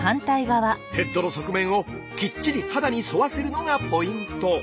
ヘッドの側面をきっちり肌に沿わせるのがポイント。